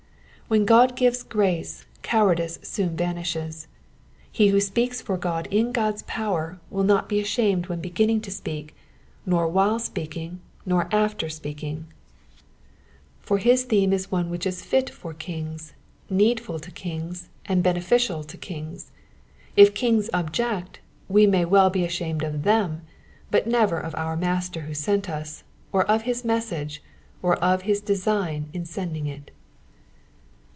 When God gives grace, cowardice soon vanishes. He who speaks for Qod in God's power, will not be ashamed Digitized by VjOOQIC PSALM ONB HUKDRED AND KIKETEEN — TERSES 41 TO 48. 117 when beginniDg to speak, nor while speaking, nor after speaking ; for his theme is one which is fit for kings, needful to kings, and beneficial to kings. If kings object, we may well be ashamed of them, but never of our Master who sent us, or of his message, or of his design in sending it.